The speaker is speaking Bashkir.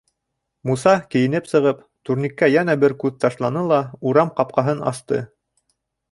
Муса кейенеп сығып, турникка йәнә бер күҙ ташланы ла урам ҡапҡаһын асты.